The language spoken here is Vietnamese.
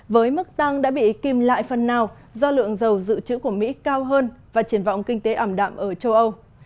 với mức tăng đã bị kìm lại phần nào do lượng dầu dự trữ của mỹ cao hơn và triển vọng kinh tế ảm đạm ở châu âu